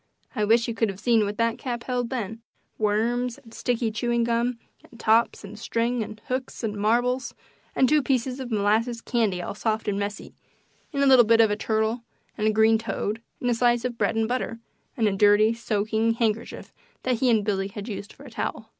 I wish you could have seen what that cap held then worms, and sticky chewing gum, and tops, and strings, and hooks, and marbles, and two pieces of molasses candy all soft and messy, and a little bit of a turtle, and a green toad, and a slice of bread and butter, and a dirty, soaking, handkerchief that he and Billy had used for a towel.